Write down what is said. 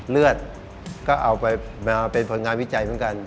เลือดก็เอาไปเป็นผลงานวิจัยเหมือนกัน